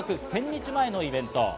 １０００日前のイベント。